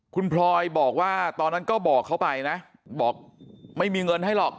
คุณพลอยบอกว่าตอนนั้นก็บอกเขาไปนะบอกไม่มีเงินให้หรอก